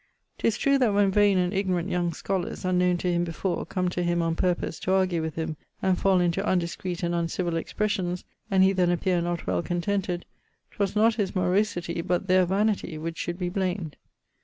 'Tis true that when vain and ignorant young scholars, unknowne to him before, come to him on purpose to argue with him, and fall into undiscreet and uncivill expressions, and he then appeare not well contented, 'twas not his morosity, but their vanity, which should be blamed.'